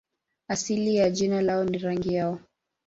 Asili ya jina lao ni rangi yao.